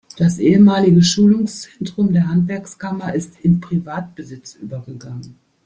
Das ehemalige Schulungszentrum der Handwerkskammer ist in Privatbesitz übergegangen.